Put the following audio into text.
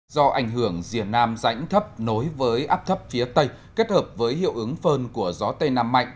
do ảnh hưởng diện nam rãnh thấp nối với áp thấp phía tây kết hợp với hiệu ứng phơn của gió tây nam mạnh